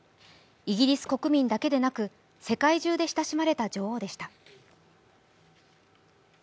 イギリス国民だけでなく、世界中で親しまれた女王でした。